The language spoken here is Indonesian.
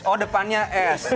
oh depannya s